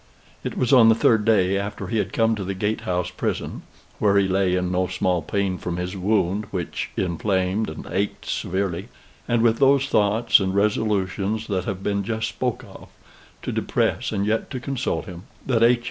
It was on the third day after he had come to the Gatehouse prison, (where he lay in no small pain from his wound, which inflamed and ached severely,) and with those thoughts and resolutions that have been just spoke of, to depress, and yet to console him, that H.